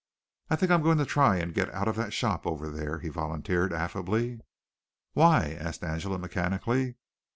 "I think I am going to try and get out of that shop over there," he volunteered affably. "Why?" asked Angela mechanically.